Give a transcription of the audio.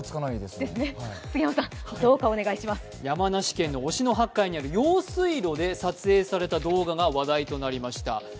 山梨県の忍野八海にある用水路で撮影された動画が話題となりました。